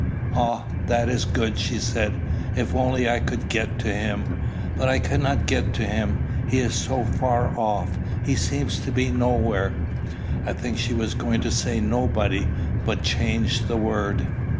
"Ah! that is good," she said: "if only I could get to him! But I cannot get to him. He is so far off! He seems to be nowhere." I think she was going to say nobody, but changed the word.